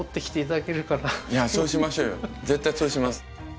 そうしましょうよ絶対そうします。